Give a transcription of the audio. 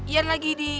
jan lagi di